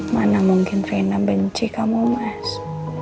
mana mungkin vena benci kamu mas